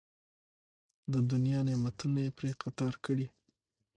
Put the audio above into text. د دنیا نعمتونه یې پرې قطار کړي.